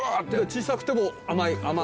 小さくても甘い。